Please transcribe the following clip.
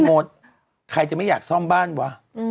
หมดใครจะไม่อยากซ่อมบ้านวะ